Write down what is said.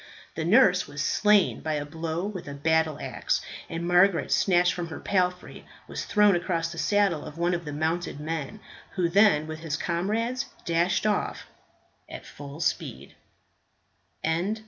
The nurse was slain by a blow with a battle axe, and Margaret, snatched from her palfrey, was thrown across the saddle bow of one of the mounted men, who then with his comrades dashed off at full speed.